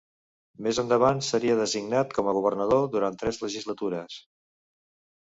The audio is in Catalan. Més endavant seria designat com a governador durant tres legislatures.